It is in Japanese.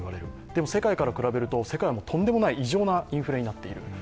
でも世界から比べると、世界はとんでもないインフレになっている。